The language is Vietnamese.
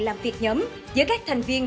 làm việc nhóm giữa các thành viên